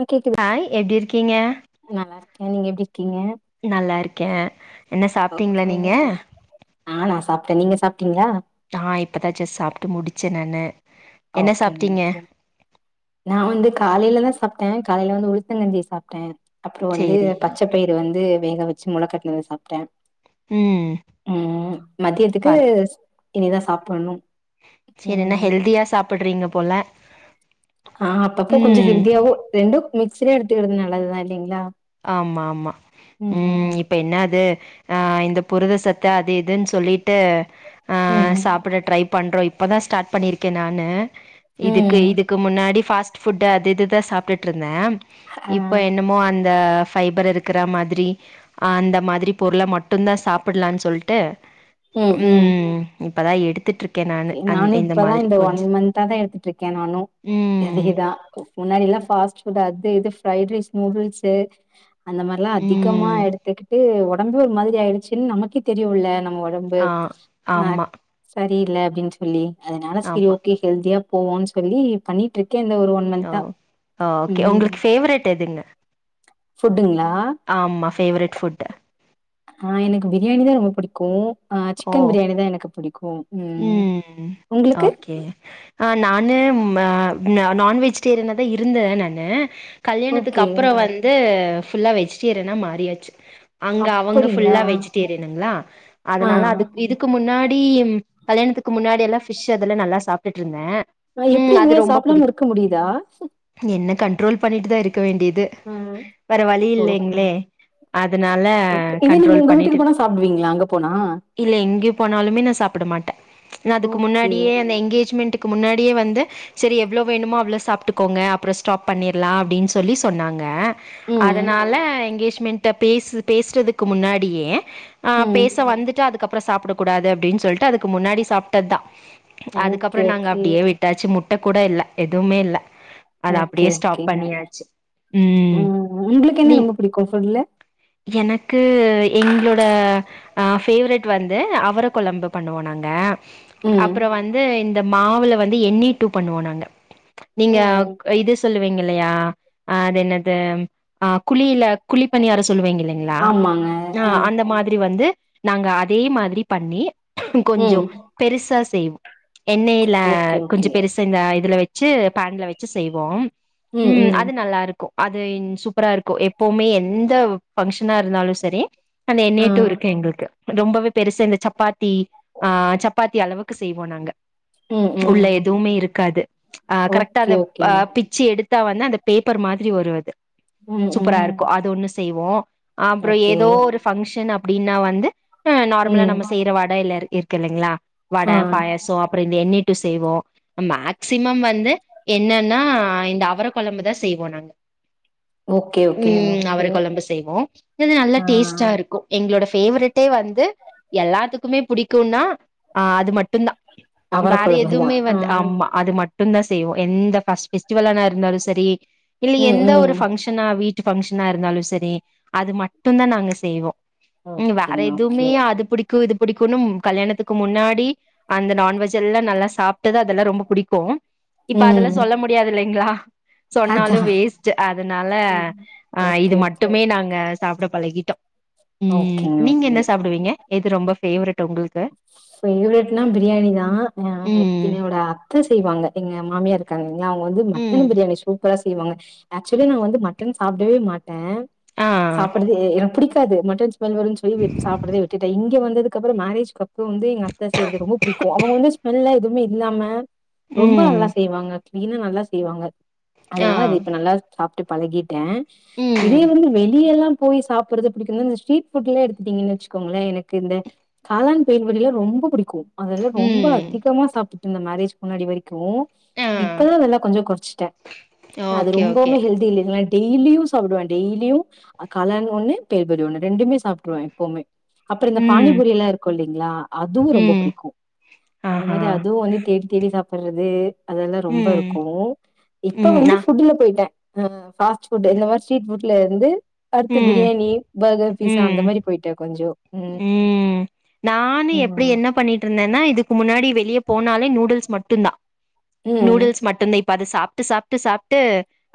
ஆ கேக்குது ஹாய் எப்டி இருக்கீங்க ஏ நீங்க எப்டி இருக்கீங்க நல்லா இருக் கே என்ன சாப்ட்டீங்களா நீங்க ட்டே நீங்க சாப்ட்டீங்களா ஆ இப்ப தா ஜஸ்ட் சாப்ட்டு முடிச்சேன் நானு என்ன சாப்ட்டீங்க ஓகேங்க நா வந்து காலைல தா சாப்ட்டே காலைல வந்து உளுத்தங்கஞ்சி சாப்ட்டே அப்பறம் வந்து சேரி பச்ச பயிறு வந்து வேக வச்சு மொள கட்னத சாப்ட்டே ம் ம் மதியத்துக்கு பர இனிதா சாப்பிடணும் சரி என்ன ம் ஹெல்தியா சாப்புட்றீங்க போல ஆ அப்பப்போ கொஞ்ச ம் ஹெல்தியாவு ரெண்டும் மிக்சில எடுத்துக்கிடது நல்லது தா இல்லிங்களா ஆமா ஆமா ம் இப்ப என்ன அது ஆ இந்த புரதசத்து அது இதுன் சொல்லிட்டு ஆ ம் சாப்புட ட்ரை பண்றோம் இப் இப்ப தா ஸ்டார்ட் பண்ணிர்க்கே நானு இதுக்கு ம் இதுக்கு முன்னாடி ஃபாஸ் ஃபுட்டு அது இது தா சாப்டுட்டு இருந்தே ஆ இப்ப என்னமோ அந் த ஃபைபர் இருக்கற மாதிரி அந்த மாதிரி பொருள மட்டும் தா சாப்லான்னு சொல்ட்டு ம் ப்பதா எடுத் நானு இப்பதா இந்த ஒன் மந்தா தா எடுத்துட்டு இருக்கே நானு ம். எதுக்கு தா முன்னாடி எல்லா ஃபாஸ்ட்ஃபுட் அது இது ஃப்ரைட்ரைஸ் நூடுல்ஸு அந்த மாரிலா அதிகமா ம். எடுத்துக்கிட்டு ஒ டம்பு ஒரு மாதிரி ஆயிடுச்சுன் நமக்கே தெரியுல்ல ஒடம்பு ஆ அ ஆமா, சரியில்ல அப்டின்னு சொல்லி அதனால சரி ஆமா. ஓகே ஹெல்தியா போவோனு சொல்லி பண்ணிட்டு இருக் ஓ ஓகே உங்களுக்கு ஃபேவரட் எதுங்க ஃபுட்டுங் ஆமா ஃபேவரட் ஃபுட் ஆ எனக்கு பிரியாணி தா ரொம்ப பிடிக்கும் ஆஹ் ஓ! சிக்கன் பிரியாணி தான் எனக்கு பிடிக்கும் ம் ஓகே ஆ நானு ம நா நான்வெஜிடேரியனா தா இருந்த நானு கல்யாணத்துக்கு ஓகே அப்பறோ வந்து ஃபுல்லா வெஜிடேரியனா மாறியாச்சு அங்க அவங்க அப்படிங்களா ஃபுல்லா வெஜிடேரியனுங்களா ஆ அதனால அது இதுக்கு முன்னாடி டீம் கல்யணத்துக்கு முன்னாடி எல்லா ஃபிஷ் அதெல்லா நல்லா சாப்ட்டுட்டுருந்தே அ எப்புடி உங்களால சாப்டாம இருக்க முடியுதா என்ன கண்ட்ரோல் பண்ணிட்டுதா இருக் இருக்க வேண்டியது ம் வேற வழி ஓகே இல்லேங்ளே அதுனால இதே நீங்க கண்ட்ரோல் உங்க பண்ணிட்டு வீட்டுக்கு போனா இருக் சாப்டுவீங்களா அங்க போனா இல்ல இங்கயு போனாலுமே நா சாப்ட மாட்டே நா அதுக்கு ஓகே முன்னாடியே அந்த எங்கேஜ்மெண்ட்டு க்கு முன்னாடியே வந்து செரி எவ்ளோ வேணுமோ அவ்ளோ சாப்ட்டுக்கோங்க அப்பறோ ஸ்டாப் பண்ணிர்லா அப்டின் சொல்லி சொன்னாங்க ம் அதனால எங்கேஜ்மெண்ட் கிட்ட பேசு பேசுறதுக்கு முன்னாடியே ஆ ம் பேச வந்துட்டு அதுக்கப் ப்றோ சாப்ட கூடாது அப்டின் சொல்ட்டு அது க்கு முன்னாடி சாப்ட்டத்தா ஓகே அதுக்கப்றோ நாங்க ஓகே அப்டியே விட்டாச்சு முட் ட கூட இல்ல எதுவுமே இல்ல அத ஓகே அப்டியே ஸ்டாப் ஓகேங்க பண்ணியாச்சு ம் ம் உங்களுக்கு நீ என்ன ரொம்ப பிடிக்கும் சொல்ல எனக்கு எங்களோட ஃப்வரெட் வந்து அவர கொழம்பு பண்ணுவோ நாங்க ம் அப்பறோ வந்து இந்த மாவுல வந்து எண்ணி டூ பண்ணுவோ நாங்க ஓ நீங்க இது சொல்லுவீங்க இல்லையா அது என்னது ஆ குழியில குழிப்பணியாரோ சொல்லுவீங்க இல்லைங்களா ஆ அந்த மாதிரி வந்து நாங்க அதே மாதிரி பண்ணி கொஞ்சோ ம் பெருசா செய்வோ எண்ணயில ஓகே கொஞ்சோ ஓகே பெருசு இந்த இதுல வச் வச்சு பாண்ல வச்சு செய்வோம் ம் அது நல்லா இருக்கும் அது சூப்பரா இருக்கும் எப்பவுமே எந்த பங்க்ஷனா இருந்தாலும் சரி அது ஆ என்னிட்டு இருக்கு எங்ளுக்கு ரொம்பவே பெருசு இந்த சப்பாத்தி ஆஹ் சப்பாத்தி அளவுக்கு செய்வோம் நாங்க ம் ம் உள்ள ம் எதுவுமே இருக்காது அஹ் கரெக்டா ஓகே அதை ஓகேங்க அஹ் பிச்சு எடுத்து வந்து அந்த பேப்பர் மாதிரி வருஅது ம் சூப்பரா ம் இருக்கும் அது ஒன்னு செய்வோ அப்புறம் ஓகே ஏதோ ஒரு ஃபங்க்ஷன் அப் அப்படின்னா வந்து நார்மலா ம் நம்ம செய்யற வடைல்ருந் இருக்கு இல்லைங்களா வட ஆ பாயசம் அப்புறம் இந்த எண்ணி செய்வோம் மேக்சிமம் வந்து என்னன்னா இந்த அவர குழம்புதான் செய்வோம் நாங்க ஓகே ஓகேங்க உம் ஓகே அவரை கொழம்பு செய்வோம் இது நல்லா ஆ டேஸ்டா இருக்கும் எங்க பசக் பேவரட்டே வந்து எல்லாத்துக்குமே பிடிக் இருக்குனா ஆஹ் அது மட்டுதான் அவர வேற கொழம்புதா எதுவுமே ஆ வந்து ஆமா அது மட்டு மட்டும்தான் செய்வோம் எந்த பஸ்ட் பெஸ்டிவல்னா இருந்தாலும் சரி இல்ல ம் எந்த ஒரு ம் ஃபங்க்ஷனா வீட்டு பங்க்ஷனா இருந்தாலும் சரி அது மட்டுதான் நாங்க செய்வோம் ம் வேற ஓகேங்க எதுவுமே ஓகே அது பிடிக்கும் இது புடிக்குணும் கல்யாணத்துக்கு முன்னாடி அந்த நான்வெஜ் எல்லா நல்லா சாப்ட்டுதா அதெல்லா ரொம்ப புடிக்கு இப்ப அதெல்லா ம் சொல்ல முடியாது இல்லைங்களா சொன்னாலு அதா வேஸ்ட் அதனால ம் அஹ் ஓகே இது ஓகே மட்டுமே நாங்க சாப்ட பழகிட்டோ ம் ஓகேங்க நீங்க என்ன சாப்டுவீங்க இது ரொம்ப ஃபேவரட் உங்க ஃபேவ்ரெட்னா பிரியாணி தா ம் என்னோட அத்த செய்வாங்க எங்க மாமியரு அவுங்க வந்து மட்டன் ம் பிரியாணி சூப்பரா செய்வாங்க ஆக்சுவலி நா வந்து மட்டன் சாப்டவே மாட்டே ஆ சாப்புறது எனக்கு புடிக் காது மட்டன் வலுவலுன் சொல்லி சாப்புரதே விட்டுட்டே இங்கே வந்து அதுகப்ரோ மேரேஜ் இப்போ வந்து எங்க அத்த செய்றது ரொம்ப புடிக்கோ அவுங்க வந்து ஸ்மெல்ல எதுமே இல்லாம ரொம்ப ம் நல்லா செய்வாங்க மீனு நல்லா செய்வாங்க ஆ அதனால அது இப்ப நல்லா சாப் ட்டு பழகிடே இதே ம் வந்து வெளியெல்லா போய் சாப்புட்றது புடிக்கும் இந்த ஸ்ரிட் ஃபுட்லே எடுத்துட்டீங்கன் வெச்சுகோங்களே எனக்கு இந்த காலன் [unintelligible] ரொம்ப புடிக்கு அதெல்லா ரொம்ப ம் அதிகமா சாப் இந்த மேரேஜ் முன்னாடி வெரிக் கோ ஆ இப்பல்லா அதெல்லா கொஞ்சோ கொறச்சிட்டே அது ஓகே ஓகே ரொம்பவுமே ஹெல்தி இல்லிங்க டெய்லியு சாப்டுவே டெய்லியு காலான் ஒன்னு பெள்புரி ஒன ரெண்டுமே சாப்ற்றுவே எப்பவுமே அப்ரோ இந்த ம் பானிபுரி எல்லா இருக்கோ லா அதுவு ரொம்ப ம் புடிக்கும் அந்த ஆஹா மாரி அதுவு வந்து தேடி தேடி சாப்பறது அதெல்லா ரொம்ப ம் இருக்கூ இப்ப ம் வந்து நா ஃபுட்டுல போயிட்டே ஆ ஃபாஸ்ட் ஃபுட் இந்த மாரி ஸ்ரிட் ஃபுட் ல இருந்து அடுத்து ம் பிரியாணி பர்கர் பீஸா அந்த மாரி போய்ட்டே கொஞ்சோ ம் உம்ம் நானு எப்டி ம் என்ன பண்ணிட்டிருந்தேன்னா இதுக்கு முன்னாடி வெளிய போனாலே நூடுல்ஸ் மட்டுந்தா ம் நூடுல்ஸ் மட்டுந்தே இப்ப அது சாப்ட்டு சாப்ட்டு சாப்ட்டு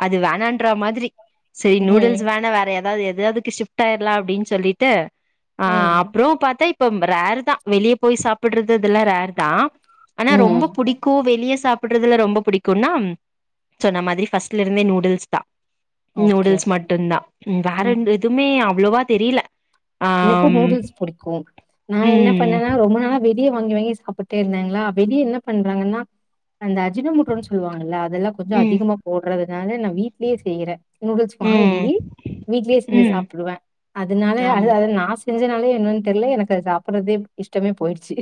அது வேணான்ற மாரி செரி நூடுல்ஸ் ம் வேணா வேற எதாது எது தாதுக்கு ஷிஃப்ட் ஆய்ட்லா அப்டின் சொல்லிட்டு ஆ ம் அப்றோ பாத்தா இப்பம் ரேருதா வெளிய போய் சாப்புடறது இதெல்லா ரேருதா ஆனா ரொம்பொ ம் புடிக்கு வெளிய சாப்புடறதுல ரொம்பொ புடிக்குன்னா சொன்ன மாதிரி ஃபஸ்ட்ல இருந்தே நூடுல்ஸ்தா ஓகே நூடுல்ஸ் ஓகே மட்டுந்தா ம் வேறெண்டு எதுமே அவ்ளோவா தெரில சின்ன பு ஆம் நூடுல்ஸ் புடிக்கு நா என்ன ம் பண்ணனா ரொம்ப நாளா வெயிட் வெளிய வாங்கி வாங்கி சாப்புட்டே இருந்தாங்ளா வெளிய என்ன பண்றாங்கன்னா அந்த அஜினமோட்டோனு சொல்வாங்கள்ல அதெல்லா கொஞ்சோ ம் அதிகமா போடறது அதனால நா வீட்லயே செய்யற நூடுல்ஸ் வாங்கி ம் வீட்லயே செஞ்சு ம் சாப்பிடுவ அதுனால அ ஆமா நா செஞ்சனால என்னன் தெர்ல எனக்கு சாப்புடறதே இஷ்டமே போய்டு ச்சு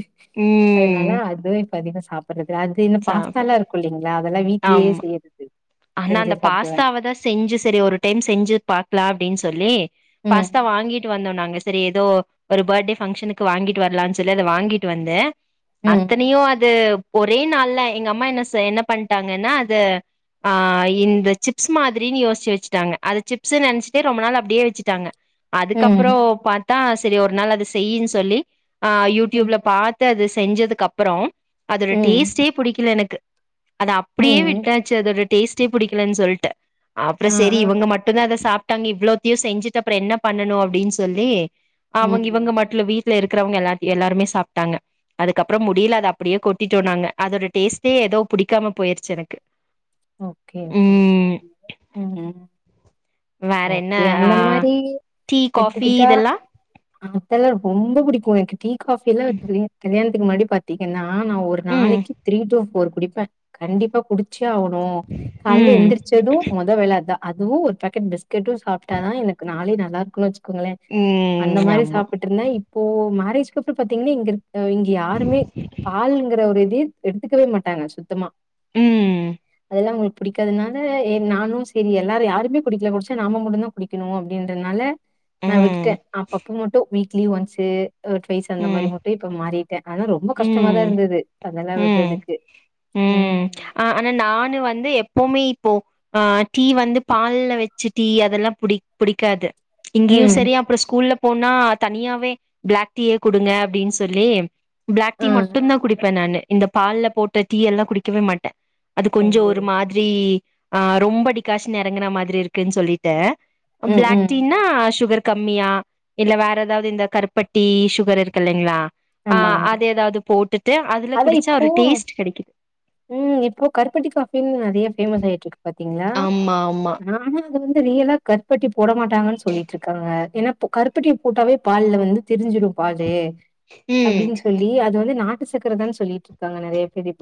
அதனால ம் அது அதிக சாப்புறது அது இன்னு சாப் பாஸ்தாலா இருக்கு இல்லைங்ளா அதெல்லா வீட்லயே ஆமா செய்யறது ஆனா செஞ்சு அந்த சாப்பிடுவேன். பாஸ்தாவதா செஞ்சு சேரி ஒரு டைம் செஞ்சு பாக்லா அப்டின் சொல்லி ம். பாஸ்தா வாங்கிட்டு வ வந்தோ நாங்க சேரி ஏதோ ஒரு பர்டேபங்க்ஷனுக்கு வாங்கிட்டு வர்லான் சொல்லி அத வாங்கிட்டு வந்த ம். அத்தனையு அது ஒரே நாள்ல எங்க அம்மா என்ன செய் என்ன பண்ணிட்டாங்கன்னா அது ஆ இந்த சிப்ஸ் மாதிரின்னு யோசிச்சு வெச்சுட்டாங்க அது சிப்ஸுனு நினைச்சுட்டு ரொம்ப நாள் அப்டியே வெச்சிட்டாங்க அதுக்கப்புறோ ம். பாத்தா செரி ஒரு நாள் அத செய்யுன்னு சொல்லி ஆ ம். யூட்யூப்ல பாத்து அது செஞ்சதுக்கு அப்றோ அதோட ம். டேஸ்ட்டே புடிக்கல எனக்கு அத அப்டியே ம். விட்டா டேஸ்ட்டே புடிக்கலன் சொல்ட்டு அப்றோ ஆ, சேரி ஆ. இவுங்க மட்டுதா அத சாப் டாங்க இவ்ளோத்தையு செஞ்சுட்டு அப்றோ என்ன பண்ணணு அப்டின்னு சொல்லி அவுங்க ம். இவுங்க மட்டுல்ல வீட் ல இருக்கிறவங்க எல்லா எல்லாருமே சாப்ட்டாங்க அதுக்கப்றோ முடில அத அப்டியே கொட்டிட்டோ நாங்க அதோட டேஸ்ட்டே ஏதோ புடிக்காம போயிருச்சு எனக்கு ஓகே ஓகே ம் ம் வேற என்ன ஓகே ஆ அந்த மாரி டீ காஃபி எடுத்துக்கிட்டா இதெல்லா அதலா ரொம்ப புடிக்கூ எனக்கு டீ காஃபில்லா [unintelligible] கல்யாணத்துக்கு முன்னாடி பாத்தீங்கன்னா நா ஒரு ம் நாளைக்கு த்ரீ டூ ஃபோர் குடிப்பே கண்டிப்பா குடிச்சே ஆ னு காலைல ம் எந்திரிச்சதூ மொத வேல அதா அதுவு ஒரு பேக்கட் பிஸ் கட்டு சாப்ட்ட தா எனக்கு நாளே ந [unintelligible] க்கோங்களே அந்த ம் மாரி ஆமா சாப்ட்டுருந்தே இப்போ மரேஜ் ஸ்கிரிப்ட் பாத்தீங்கன்னா இங்க இங்க யாருமே பாலுங்குற ஒரு இது த் எடுத்துக்கவே மாட்டாங்க சுத்தமா உம் அதெல்லா அவுங்களுக்கு பிடிக்காதுனால நானு செரி எல்லாரு யாருமே குடிக்கல குடிச்சா நம்ம மட்டூ தா குடிக்கணு அப்டின்றதுனால நா ம் விட்டுட்டே அப்பப்ப மட்டூ வீ வீக்லி ஒன்ஸூ டூவைஸ் அந்த மாரி மட்டூ இப்ப மாறிட்ட உம் உம் விடுறதுக்கு. உம் ம். ஆ ஆனா நானு வ து எப்போமே இப்போ ஆஹ் டீ வந்து பால்ல வச்சு டீ அதெல்லா புடி புடிக்காது இங்கேயு ம். செரி அப்றோ ஸ்கூல்ல போனா தனியாவே ப்ளாக் டீயே குடுங்க அப்டின்னு சொல்லி ப்ளாக் டீ ஆ. மட்டூ தா குடிப்பே நானு இந்த பால்ல போட்ட டீ எல்லா குடிக்கவே மாட்டே அது கொஞ்சோ ஓஹோ! ஒரு மாதிரி ஆ ரொம்படிக்காசு ந இறங்குின மாதிரி இருக்குன்னு சொல்லிிட்ட அ ம், ப்ளாக் ம். டீனா ஷுகர் கம்மியா இல்ல வேற ஏதாவ்து இந்த கருப்பட்டி ஷுகர் இருக்கில்லலைங்ளா ஆமாங்க அதுல அதா குடிச்சா ஒரு இப்போம் டேஸ்ட் கெடைக்கு இப்போ கருப்பட்டி காஃபின் நெறைய ஃபேமஸ் ஆயிட்ருக்கு பாத்தீங்ளா ஆமா ஆமா நாலா து வந்து ரியலா கர்பட்டி போட மாட்டாங்கன்னு சொல்லிட்ருக்காங்க ஏனா கர்பட்டி போட்டாவே பால்ல வந்து திரிஞ்சிரூ பாலு ம் அப்டின் சொல்லி அது வந்து நாட்டு சக்கரதான்னு சொல்லிட்டு இருக்காங்க நறைய பேர் இ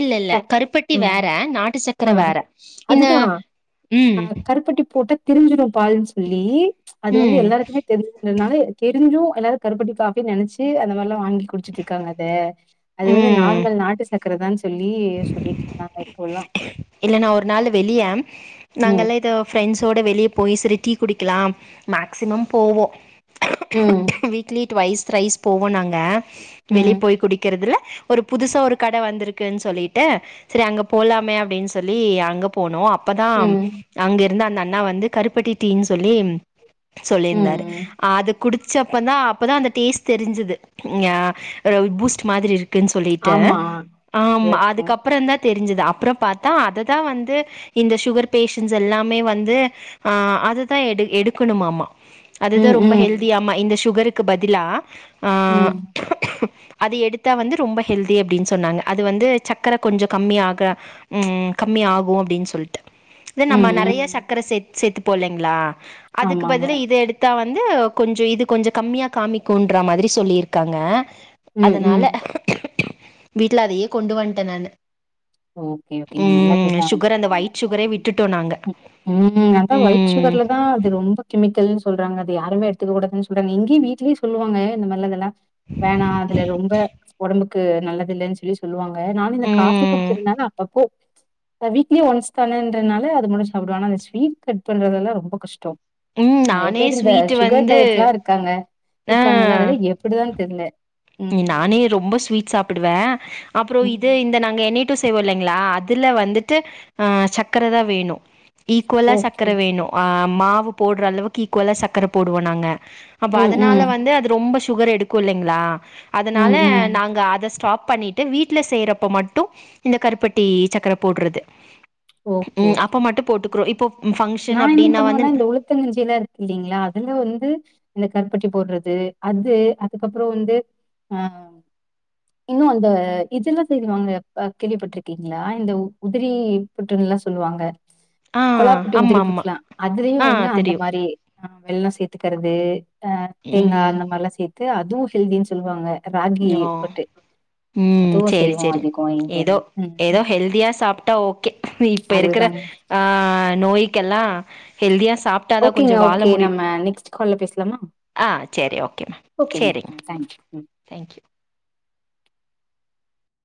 இல்லல்ல கருப்பட்டி வேற நாட்டு சக்கர ஆ. வேற இந்த அதுதான் அ ம் கருப்பட்டி போட்டா திரிஞ்சிரும் பாருன் சொல்லி அது வந்து ம் எல்லாருக்குமே தெரிஞ்சதுனால தெரிஞ்சூ எல்லாரு கருப்பட்டி காஃபி நனச்சி அந்த மாரிலா வாங்கி குடிச்சுட்ருக்காங்க அத அது வந்து ம் நார்மல் நாட்டு சக்கர தான் சொல்லி சொல்லிட்ரு இல்ல நா ஒரு நாள் வெளியே ம், நாங்கல்லா இத ஃப்ரெண்ட்ஸோட வெளியே போய் செரி டீ புடிக்கலாம் மேக்சிமம் போவோ ம், வீக்லி ட்வைஸ் த்ரைஸ் போகூனாங்க வெளியே ம், போய் குடிக்கிறதுல ஒரு புதுசா ஒரு கட வந்திருக்குன்னு சொல்லிட்டு செரி அங்க போலாமே அப்டின் சொல்லி அங்க போனோ அப் பதாம் ம், அங்க இருந்த ந நா வந்து கருப்பட்டி டீன் சொல்லி ம், சொல்லியிருந்தாரு ம். அது குடிச்சப்போதா அப்போ தா அந்த டேஸ்ட் தெரிஞ்சுது ஆ அ பூஸ்ட் மாத்ரி குன் சொல்லிட்டு ஆமா. அப்டிதான் ஆமா இருக்கும். அதுக்கப் தெரிஞ்சது அப்றோ பாத்தா அதுதா வந்து இந்த ஷுகர் பேஷன்ஸ் எல்லாமே வந்து ஆ அததா எடு எடுக்கணுமாமா அதுதா ம், ரொம்ப ம், ஹெல்தி ஆமா இந்த ஷுகருக் பதிலா ஆ ம் அது எடுத்தா வந்து ரொம்ப ஹெல்தி அப்டின் சொன்னாங்க அது வந்து சக் க்கர கொஞ்சோ கம்மி ஆக ம் கம்மி ஆகூ அப்டின் சொல்ட்டு இத நம்ம ம், நறைய ம். சக்கர சேத் சேத்துக் பொள்லைங்ளா அதுக்கு ஆமாங்க. பதில இத எடுத்தா வந் வந்து கொஞ்ச இது கொஞ்ச கம்மியாக காமிக்குன்ற மாரி சொல்லிருக்காங்க ம், அதனால ம். வீட்ல அதையே கொண்டு வந் ட்ட நானு ஓகே ஓகே ம் நல்லதுதா [inaudible] சுகர் அந்த ஒயிட் சுகரே விட்டுட்டோ நாங்க உம் அதா ஒயிட் ம் சுகர்லதா அது ரொம்ப கெமிக்கல் சொல்றாங்க அத யாருமே எடுத்துக்க கூடாதுன் சொல்றாங்க இங்கியு வீட்லயே சொல்லுவாங்க இந்த மாரிலா இதலா வேணா அதுல ரொம்ப உடம்பு க்கு நல்லதில்லன் சொல்லி சொல்லுவாங் க நானு இந்த காஃபிக் ம் குடிக்கிற்த்னால அப்பப்போ இப்ப வீக்லி ஒன்ஸ் தானேன்றனால அது மட்டு சாப்டுவ ஆனா அ ஸ்வீட் கட் பண்றதெல்லா ரொம்போ கஷ்டோ ம் நெறைய நானே பேர் இந்த ஸ்வீட்டு சுகர் வந்து டயட்லா இருக்காங்க இர்க்காங்கனா அதலா எப்புடிதா தெர்ல ம் நானே ரொம்ப ஸ்வீட் சாப்பிடுவே அப்றோ இது ம். இந்த நாங்க எநேட்டு செய்வோ இல்லைங்ளா அதுல வந்துட்டு அ சக்கரதா வேணு ஈக்குவலா ஓகே. சக்கர வேணு ஆ ம் மாவு போட்றளவுக்கு ஈக்குவலா சக்கர போடுவோ நாங்க அப்ப ம், ம். அதனால வந்து அது ரொம்ப ஸ் சுகர் எடுக்கு இல்லைங்ளா அதனால ம், ம். நாங்க அத ஸ்டாப் பண்ணிட்டு வீட்ல செய்றப்ப மட்டு இந்த கருப்பட்டி சக்கர போட்றது ஓக்கே ஓக்கே நா ஃபங்க்ஷன் என்ன அப்டின்னா வந்து பண்ணுவனா இந்த உளுத்தங்கஞ்சிலா இருக்கு இல்லிங்ளா அதுல வந்து இந்த கருப் பட்டி போட்றது அது அதுக்கப்றோ வந்து அ இன்னு அந்த இதெல்லா செய்து வாங்க ப கேள்விப்பட்ருக்கீங்ளா இந்த உ உதிரி புட்டுன்லா சொல்லுவாங்க ஆ கொழா புட்டு ஆமா உதிரி ஆமா. புட்லா அதுலியு ஆ வந்து அந்த தெரியும். மாரி அ வெள்ளோ சேத்துக்கறது த தேங்கா ம். அந்த மாரிலா சேத் து அதுவு ஹெல்தின் சொல்லுவாங்க ராகி ஓ புட்டு. அ ம் அதுவும் சேரி செய்வோம் சேரி அதிகம் இங்க. ஏதோ ம். ஏதோ ஹெல்தியா சாப்டா ஓ ஒகே இப்ப இருக்குற அதுதாங்க. ஆ நோய்க்கெல்லா ஹெல்தியா சாப்ட்டாதா ஓக்கேங்க கொஞ்சோ வாழ ஓக்கே முடியு நம்ம நெக்ஸ்ட்டு கால்ல பேஸ்லாமா ஆ சேரி ஓகேங்க அ [unintelligible] ம் தேங்க் யூ